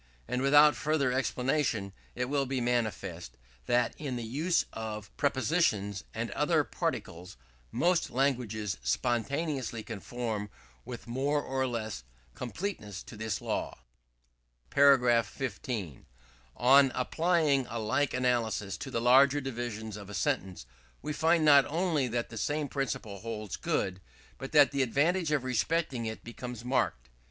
And without further explanation, it will be manifest, that in the use of prepositions and other particles, most languages spontaneously conform with more or less completeness to this law. § 15. On applying a like analysis to the larger divisions of a sentence, we find not only that the same principle holds good, but that the advantage of respecting it becomes marked.